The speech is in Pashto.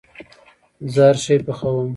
زه هرشی پخوم